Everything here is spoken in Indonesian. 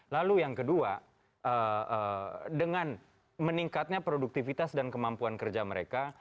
lalu yang kedua dengan meningkatnya produktivitas dan kemampuan kerja mereka